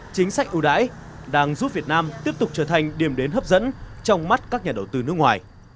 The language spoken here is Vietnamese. chính sách ưu đãi đang giúp việt nam tiếp tục trở thành điểm đến hấp dẫn trong mắt các nhà đầu tư nước ngoài